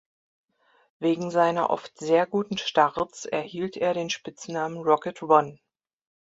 Wegen seiner oft sehr guten Starts erhielt er den Spitznamen "Rocket Ron".